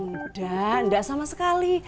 nggak nggak sama sekali